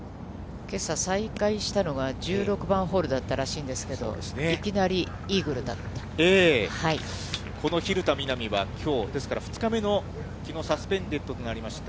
けさ、再開したのが１６番ホールだったらしいんですけど、いきなりイーこの蛭田みな美は、きょう、ですから２日目の、きのう、サスペンデッドとなりました